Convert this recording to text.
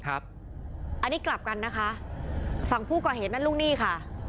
อันนี้กลับกันนะคะฝั่งผู้ก่อเหตุนั่นลูกหนี้ค่ะ